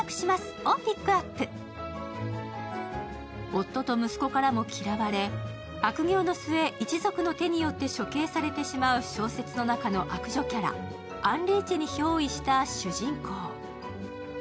夫と息子からも嫌われ、悪行の末、一族の手によって処刑されてしまう小説の中の悪女キャラ、アンリーチェにひょう依した主人公。